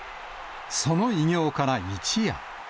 その偉業から一夜。